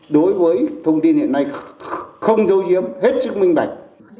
đối với thông tin hiện nay không dấu diếm hết sức minh bạch